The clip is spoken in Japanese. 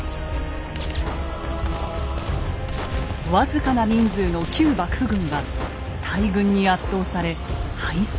僅かな人数の旧幕府軍は大軍に圧倒され敗走。